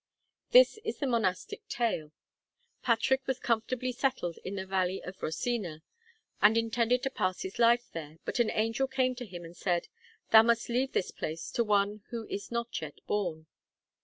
This is the monastic tale. Patrick was comfortably settled in the valley of Rosina, and intended to pass his life there, but an angel came to him and said, 'Thou must leave this place to one who is not yet born.'